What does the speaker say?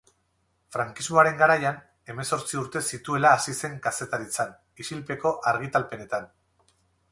Frankismoaren garaian, hemezortzi urte zituela hasi zen kazetaritzan, isilpeko argitalpenetan.